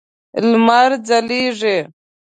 لمر ځلیږی